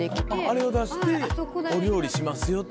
あれを出してお料理しますよっていう。